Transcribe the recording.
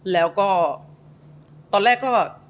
แล้วก็ตอนแรกก็